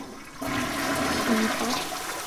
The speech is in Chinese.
傻逼是吧？